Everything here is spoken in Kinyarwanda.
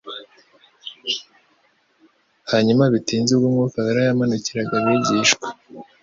Hanyuma bitinze ubwo Umwuka wera yamanukiraga abigishwa,